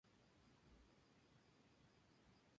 Los rebeldes tomaron Skopie, la capital del Thema de Bulgaria.